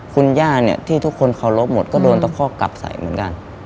คุณย่าเนี่ยที่ทุกคนเคารพหมดก็โดนตะคอกกลับใส่เหมือนกัน